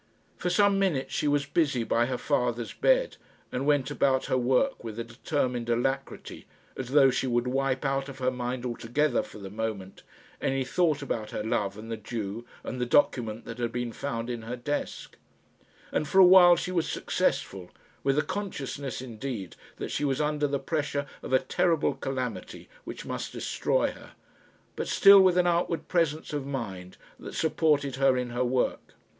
For some minutes she was busy by her father's bed, and went about her work with a determined alacrity, as though she would wipe out of her mind altogether, for the moment, any thought about her love and the Jew and the document that had been found in her desk; and for a while she was successful, with a consciousness, indeed, that she was under the pressure of a terrible calamity which must destroy her, but still with an outward presence of mind that supported her in her work.